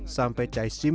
sampai cai sim